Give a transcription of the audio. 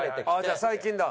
じゃあ最近だ。